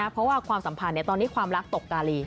เพราะว่าความสัมพันธ์ตอนนี้ความรักตกกาลี